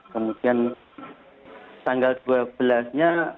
kemudian tanggal dua belas nya